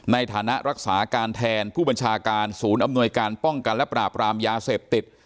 ในฐานะรักษาการแทนผู้บัญชาการศูนย์อำนวยการป้องกันและปราบรามยาเสพติด